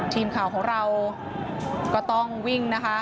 ทีมข่าวของเราก็ต้องวิ่งนะคะ